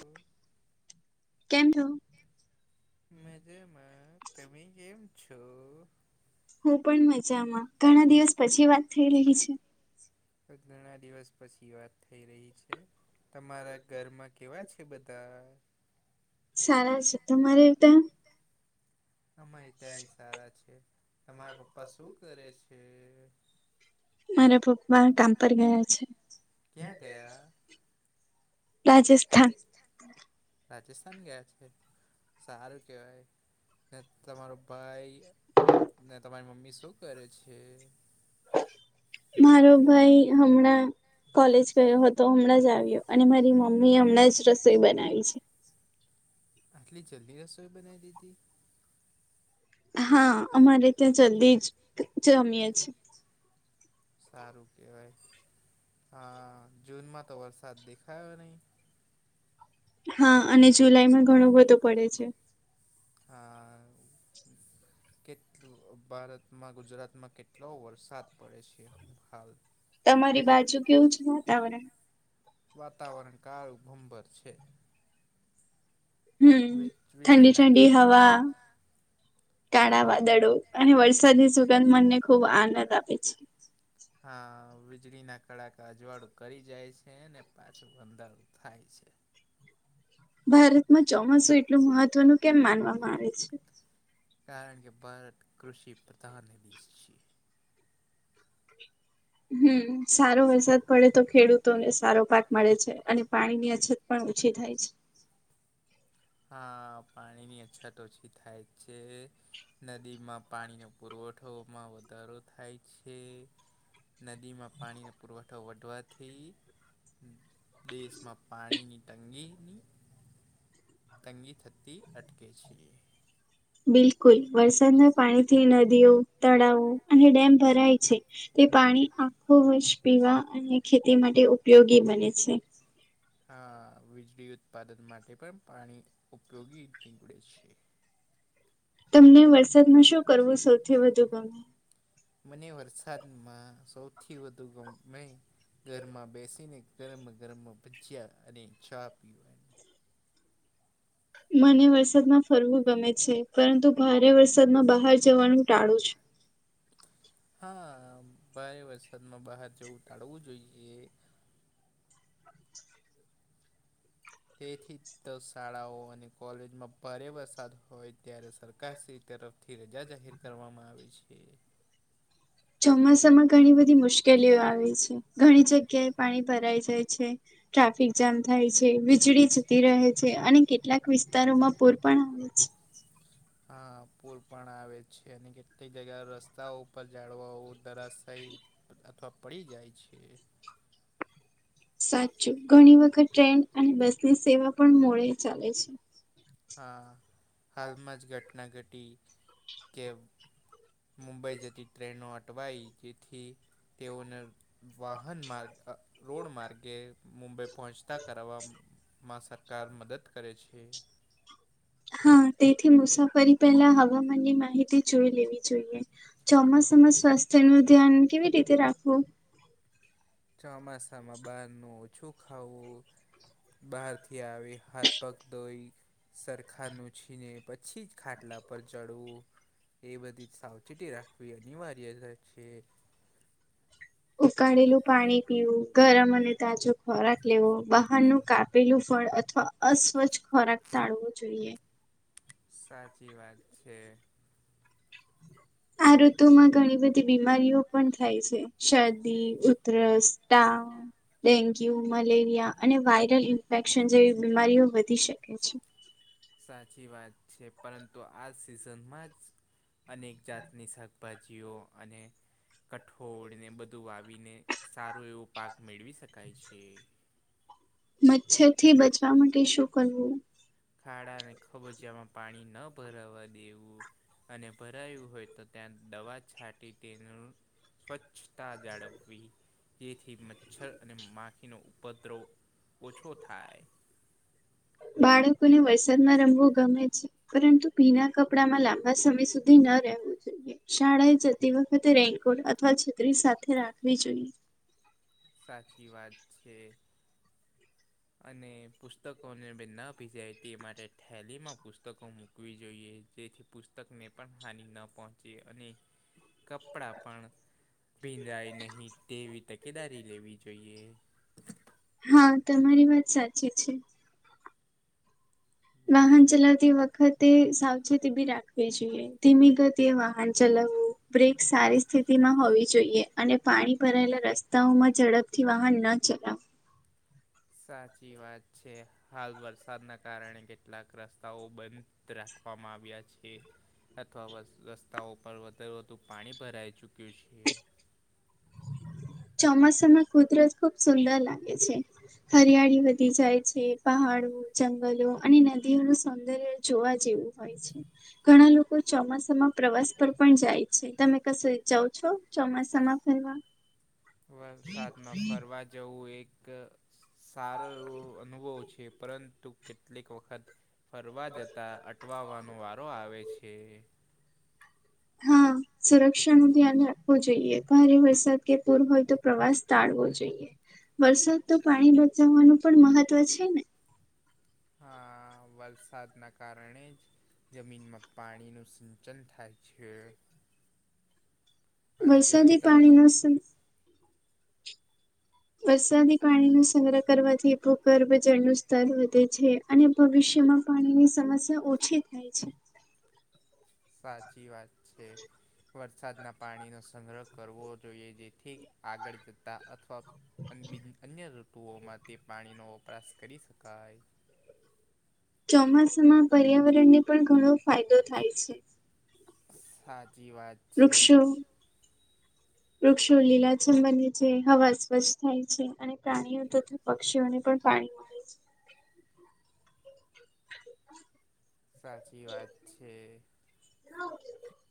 હમ કેમ છો? મજામાં તમે કેમ છો? હું પણ મજામાં ઘણા દિવસ પછી વાત થઈ રહી છે. તો ઘણા દિવસ પછી વાત થઈ રહી છે. તમારા ઘરમાં કેવા છે બધા સારા છે તમારે તા અમા ત્યાં સારા છે તમારા પપ્પા શું કરે છે? મારા પપ્પા કામ પર ગયા છે રાજસ્થાન રાજસ્થાન ગયા છે સારું કેવાય ને તમારો ભાઈ ને તમારી મમ્મી શું કરે છે? મારો ભાઈ હમણાં કોલેજ ગયો હતો હમણાં જ આવ્યો અને મારી મમ્મી હમણાં જ રસોઈ બનાવી છે. આટલી જલ્દી રસોઈ બનાવી દીધી હા અમારે ત્યાં જલ્દી જ જમીએ છે. સારું કહેવાય હા જૂનમાં તો વરસાદ દેખાયો નહીં. હા અને જુલાઈમાં ઘણો બધો પડે છે. હા. કેટલુ ભારતમાં ગુજરાતમાં કેટલો વરસાદ પડે છે હાલ. તમારી બાજુ કેવું છે વાતાવરણ. વાતાવરણ કાળું ભંબર છે. હમ્મ ઠંડી ઠંડી હવા કાળા વાદળો અને વરસાદી સુગંધ મન ને ખુબ આનંદ આપે છે. હા વીજળી ના કડાકા અજવાળું કરી જાય છે ને પાછું અંધારું થાય છે. ભારતમાં ચોમાસું એટલું મહત્વનું કેમ માનવામાં આવે છે. કારણ કે ભારત કૃષિ પ્રધાન દેશ છે. હમ્મ સારો વરસાદ પડે તો ખેડૂત તોને સારો પાક મળે છે અને પાણી ની અછત પણ ઓછી થાય છે. હા પાણીની અછત ઓછી થાય જ છે. નદીમાં પાણીનો પુરવઠોમાં વધારો થાય છે. નદીમાં પાણીનો પુરવઠો વધવાથી દેશમાં પાણીની તંગીની તંગી થતી અટકે છે. બિલકુલ વરસાદના પાણી થી નદીઓ તળાવો અને ડેમ ભરાય છે. તે પાણી આખો વર્ષ પીવા અને ખેતી માટે ઉપયોગી બને છે. હા વીજળી ઉત્પાદન માટે પણ પાણી ઉપયોગી નિવડે છે. તમને વરસાદમાં શું કરવું સૌથી વધુ ગમે. મને વરસાદમાં સૌથી વધુ ગમે ઘરમાં બેસીને ગરમ ગરમ ભજીયા અને ચા પીવા મને વરસાદમાં ફરવું ગમે છે પરંતુ ભારે વરસાદમાં બહાર જવાનું ટાળું છું. હા ભારે વરસાદમાં બહાર જવું ટાળવું જોઈએ. [inaudible] તેથી તો શાળાઓ અને કોલેજમાં ભારે વરસાદ હોય ત્યારે સરકાર શ્રી તરફથી રજા જાહેર કરવામાં આવે છે. ચોમાસામાં ઘણી બધી મુશ્કેલીઓ આવે છે ઘણી જગ્યાએ પાણી ભરાઈ જાય છે. ટ્રાફિક જામ થાય છે વીજળી જતી રહે છે અને કેટલાક વિસ્તારોમાં પૂર પણ આ આવે છે. હા, પુર પણ આવે છે અને કેટલીક જગ્યા રસ્તા ઉપર જાળવાઓ ધરાશયી અથવા પડી જાય છે. સાચું ઘણી વખત ટ્રેન અને બસ ની સેવા પણ મોળે ચાલે છે. હા હાલમાં જ ઘટના ઘટી કે મુંબઈ જતી ટ્રેનો અટવાઈ જેથી તેઓને વાહન માર્ગ અ રોડ માર્ગે મુંબઈ પહોંચતા કરવામ માં સરકાર મદદ કરે છે હા તેથી મુસાફરી પહેલા હવામાનની માહિતી જોઈ લેવી જોઈએ. ચોમાસામાં સ્વાસ્થ્ય નું ધ્યાન કેવી રીતે રાખવું. ચોમાસામાં બહારનું ઓછું ખાઉ બહારથી આવી હાથપગ ધોઈ સરખા લૂછીને પછી જ ખાટલા પર ચડવું. એ બધી જ સાવચેતી રાખવી અનિવાર્ય છે. ઉકાળેલું પાણી પીવું ગરમ અને તાજો ખોરાક લેવો બહારનું કાપેલું ફળ અથવા અસ્વચ્છ ખોરાક ટાળવો જોઈએ. સાચી વાત છે. આ ઋતુ માં ઘણી બધી બીમારીઓ પણ થાય છે શરદી, ઉધરસ. હા દેન્ગ્યુ મલે યા અને વાયરલ ઇન્ફેક્શન જેવી બીમારીઓ વધી શકે છે સાચી વાત છે પરંતુ આ સિઝનમાં જ અનેક જાત ની શ ભાજીઓ અને કઠોળ ને બધું વાવે પણ વીને સારો એવો પાક મેળવી શકાય છે મચ્છર થી બચવા માટે શું કરવું ખાડાને ખબચિયામાં પાણી ન ભરાવા દેવું અને ભરાયું હોય તો ત્યાં દવા છાંટી તેનું સ્વચ્છતા જાળવવી જેથી મચ્છર અને માખીનો ઉપદ્રવ ઓછો થાય બાળકોને વરસાદમાં રમવું ગમે છે પરંતુ ભીના કપડામાં લાંબા સમય સુધી ન રહેવું જોઈએ શાળા એ જતી વખતે રેનકોટ અથવા છત્રી સાથે રાખવી જોઈએ સાચી વાત છે અને પુસ્તકોને અવે ના ભીંજાઇ તે માટે થેલીમાં પુસ્તકો મૂકવી જોઈએ જેથી પુસ્તકને પણ હાની ન પહોંચે અને કપડા પણ ભીંજાઈ નહીં તેવી તકેદારી લેવી જોઈએ હા તમારી વાત સાચી છે વાહન ચલાતી વ વખતે સાવચેતી બી રાખવી જોઈએ ધીમીગતી એ વાહન ચલાવવું બ્રેક સારી સ્થિતિમાં હોવી જોઈએ અને પાણી ભરાયેલા રસ્તાઓમાં ઝડપથી વાહન ન ચલાવ સાચી વાત છે હાલ વરસાદના કારણે કેટલાક રસ્તાઓ બંધ રાખવામાં આવ્યા છે અથવા વ રસ્તાઓ પર વધારે વધુ પાણી ભરાઈ ચૂક્યું છે ચોમાસામાં કુદરત ખુબ સુંદર લાગે છે હરિયાળી વધી જાય છે પહાડો જંગલો અને નદીઓનું સૌંદર્ય જોવા જેવું હોય છે ઘણા લોકો ચોમાસામાં પ્રવાસ પર પણ જાય છે તમે કસે જાવ છો ચોમાસામાં ફર વરસાદ માં ફરવા જવું એક સારો એવો અનુભવ છે પરંતુ કેટલીક વખત ફરવા જતા અટવાવાનો વારો આવે છે હા સુરક્ષા નું ધ્યાન હોવો જોઈએ ભારે વરસાદ કે પૂર હોય તો પ્રવાસ ટાળવો જોઈએ વરસાદ તો પાણી બચાવાનું પણ મહત્વ છે ને હા વરસાદના કારણે જમીનમાં પાણીનું સિંચન થાય છે વરસાદી પાણી ના સુ વરસાદી પાણી ન સંગ્રહ કરવાથી ભૂખર્ભજાર નું સ્તર વધે છે. અને ભવિષ્યમાં પાણીની સમસ્યા ઓછી થાય છે. સાચી વાત છે વરસાદના પાણી નો સંગ્રહ કરવો જોઈએ જેથી આગળ જતા અથવા અન બીન અન્ય ઋતુઓમાં તે પાણીનો વપરાશ કરી શકાય ચોમાસા માં પર્યાવરણને પણ ઘણો ફાયદો થાય છે સાચી વાત વૃક્ષો. વૃક્ષો લીલાછમ બને છે હવા સ્વચ્છ થાય છે અને પ્રાણીઓ તથા પક્ષીઓને પણ પાણી સાચી વાત છે.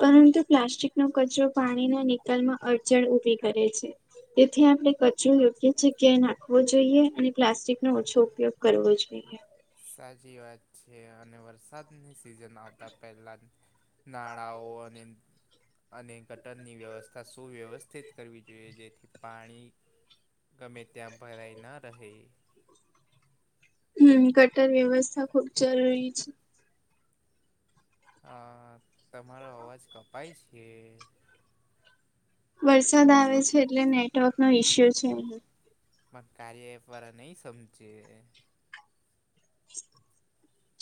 પરંતુ પ્લાસ્ટિક નો કચરો પાણીના નિકાલ માં અડચણ ઊભી કરે છે. તેથી આપણે કચરો યોગ્ય જગ્યાએ નાખવો જોઈએ અને પ્લાસ્ટિક નો ઓછો ઉપયોગ કરવો જોઈએ. સાચી વાત છે અને વરસાદની સિઝન આવતા પહેલા. નાણાઓ અ અને અને ગટરની વ્યવસ્થા સુવ્યવસ્થિત કરવી જોઈએ જેથી પાણી ગમે ત્યાં ભરાઈ ન રહે. હમ ગટર વ્યવસ્થા ખુબ જરૂરી છે. હ તમારો અવાજ કપાય છે. વરસાદ આવે છે. એટલે નેટવર્ક નો ઈસ્યુ છે. અહીં પણ કાર્ય એ વારા નહી સમજે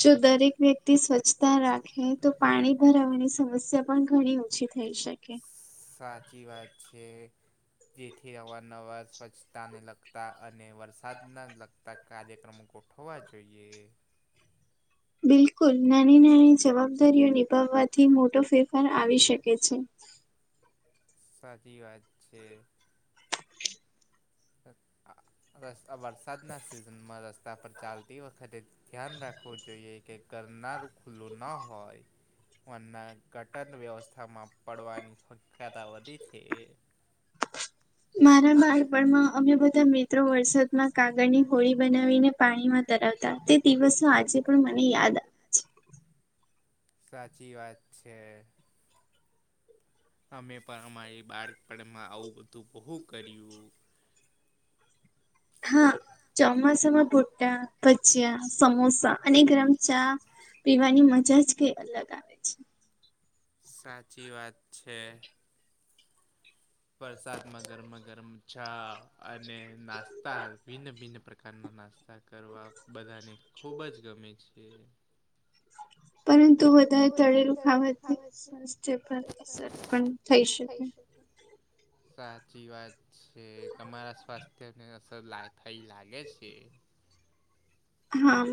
જો દરેક વ્યક્તિ સ્વચ્છતા રાખે, તો પાણી ભરાવાની સમસ્યા પણ ઘણી ઓછી થઈ શકે. સાચી વાત છે. જેથી અવારનવાર સ્વચ્છતાને લગતા અને વરસાદને લગતા કાર્યક્રમો ગોઠવ હોવા જોઈએ. બિલકુલ નાની નાની જવાબદારીઓ નિભાવવાથી મોટો ફેરફાર આવી શકે છે. સાચી વાત છે. સર આ. વરસાદના સિઝનમાં રસ્તા પર ચાલતી વખતે ધ્યાન રાખવું જોઈએ. કે ગરનારૂ ખલું ના હોય, ના ઘટન વ્યવસ્થામાં પડવાની શક્યતા વધી છે. મારા બાળપણમાં અમે બધા મિત્રો વરસાદમાં કાગળની હોડી? બનાવીને પાણીમાં ધરાવતા તે દિવસો આજે પણ મને યાદ સાચી વાત છે. અમે પણ અમારી બાળપણમાં આવું બધું બહુ કર્યું હા ચોમાસા માં ભુટા, ભજીયાં, સમોસા અને ગરમ ચા પીવાની મજા જ કે અલગ આવે. સાચી વાત છે. વરસાદમાં ગરમા ગરમ ચા અને નાસ્તા ભિન્ન ભિન્ન પ્રકારના નાસ્તા કર કરવા બધાને ખૂબ જ ગમે છે. પરંતુ વધારે તળેલું ખવા થઈ શકે. [inaudible] સાચી વાત છે. તમારા સ્વાસ્થ્યને અસર લાય થઈ લાગે છે.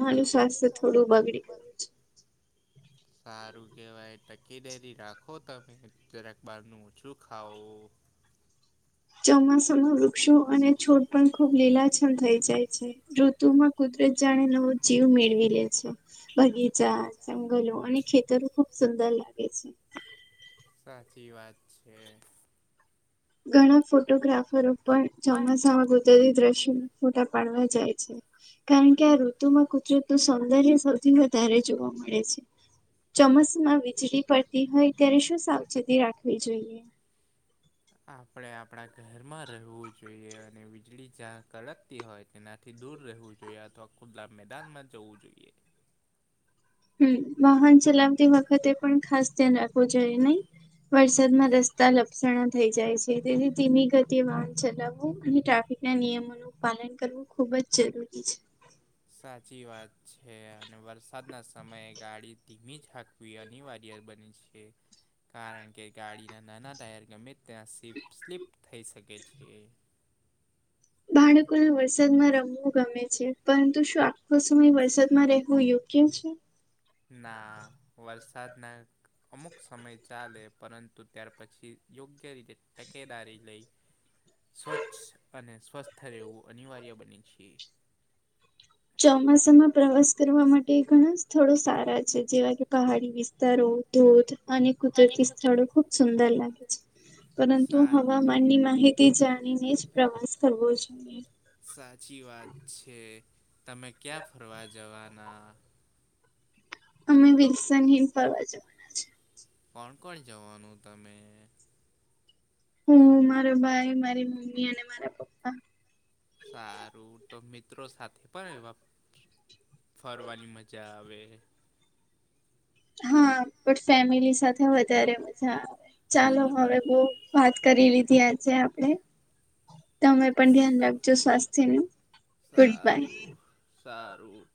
હા મારું સ્વાસ્થ્ય થોડું બગડી ગયું છે. સારું કહેવાય તકેદારી દારી રાખો તમે જરાકબારનું ઓછું ખાવો ચોમાસામાં વૃક્ષો અને છોડ પણ ખુબ લીલાછમ થઈ જાય છે. તુંમાં કુદરત જાણે નવો જીવ મેળવી લે છે. બગીચા જંગલો અને ખેતરો ખુબ સુંદર લાગે છે. સાચી વાત છે. ઘણા ફોટોગ્રાફરો પણ ચોમાસામાં. દ્રશ્યો ફોટા પાડવા જાય છે. કારણ કે આ ઋતુમાં કુદરત. તો સૌંદર્ય સૌથી વધારે જોવા મળે છે. ચોમાસામાં માં વીજળી પડતી હોય ત્યારે શું સાવચેતી રાખવી જોઈએ. આપણે આપણા ઘરમાં રહેવું જોઈએ અને વીજળી જા કડકતી હોય તેનાથી દૂર રહેવું જોઈએ અથવા ખુદલા મેદાન માં જવું જોઈએ. હમ વાહન ચલાવતી વખતે પણ ખાસ ધ્યાન રાખવું જોઈએ નહી. વરસાદ માં રસ્તા [unintelligible] સણા થઈ જાય છે. તેથી ધીમી ગતિએ વાહન ચલાવવું અને ટ્રાફિક ના નિયમોનું પાલન કરવું ખુબ જ જરૂરી છે. સાચી વાત છે અને વરસાદના સમયે ગાડી ધીમી જ હાક વી અનિવાર્ય બને છે. કારણ કે ગાડીના નાના ટાયર ગમે ત્યાં સપ સ્લીપ થઈ શકે છે. બાળકોને વરસાદમાં રમવું ગમે છે. પરંતુ [unintelligible] તો શુ એ વરસાદમાં રહેવું યોગ્ય છે? ના વરસાદના. અમુક સમય ચાલે પરંતુ ત્યાર પછી યોગ્ય રીતે તકેદારી લઈ સ્વચ્છ અને સ્વસ્થ રહેવું અનિવાર્ય બને છે. ચોમાસામાં પ્રવાસ કરવા માટે ઘણા સ્થળો સારા છે, જેવા કે પહાડી વિસ્તારો, ધોધ અને કુદરતી સ્થળો ખુબ સુંદર લાગે છે, પરંતુ હવા [unintelligible] ની માહિતી જાણીને જ પ્રવાસ કરવો જોઈએ. સાચી વાત છે, તમે ક્યાં ફરવા જવાના? અમે [unintelligible] ફરવા જવાના. કોણ કોણ જવાનું તમે? હું મારો ભાઈ, મારી મમ્મી, અને મારા પપ્પા. સારું તો મિત્રો સાથે પણ [unintelligible] ફરવાની મજા આવે. હા પણ ફેમિલી સાથે વધારે મજા આવે ચાલો હવે બહું વાત કરી લીધી આજે આપણે. તમે પણ ધ્યાન રાખજો સ્વાસ્થ્ય નું [unintelligible] સારું.